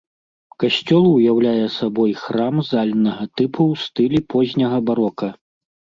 Касцёл уяўляе сабой храм зальнага тыпу ў стылі позняга барока.